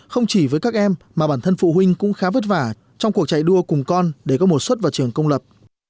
không chỉ với các em mà bản thân phụ huynh cũng khá vất vả trong cuộc chạy đua cùng con để có mùa xuất vào trường công lập